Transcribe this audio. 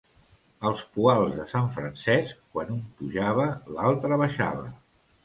Els poals de sant Francesc, quan un pujava l'altre baixava.